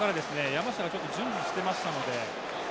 山下がちょっと準備してましたので。